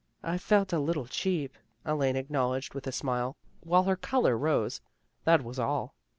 "'" I felt a little cheap," Elaine acknowledged with a smile, while her color rose, " That was all."